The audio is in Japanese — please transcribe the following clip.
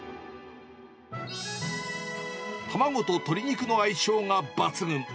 卵と鶏肉の相性が抜群。